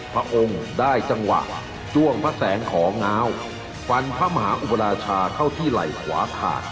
พระองค์ได้จังหวะจ้วงพระแสงของง้าวฟันพระมหาอุบราชาเข้าที่ไหล่ขวาขาด